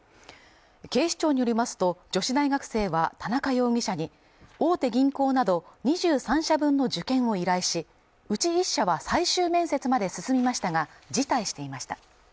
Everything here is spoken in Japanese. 警視庁によりますと女子大学生は田中容疑者に大手銀行など２３社分の受検を依頼しうち１社は最終面接まで進みましたが辞退していました